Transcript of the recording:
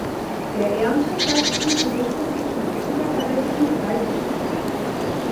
Der Erntezeitpunkt richtet sich nach Zuckergehalt und Reifegrad.